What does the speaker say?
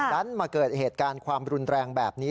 ดันมาเกิดเหตุการณ์ความรุนแรงแบบนี้